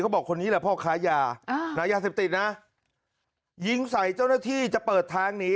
บอกคนนี้แหละพ่อค้ายายาเสพติดนะยิงใส่เจ้าหน้าที่จะเปิดทางหนี